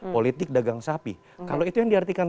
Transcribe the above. politik dagang sapi kalau itu yang diartikan